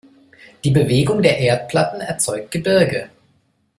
Die Bewegung der Erdplatten erzeugt Gebirge.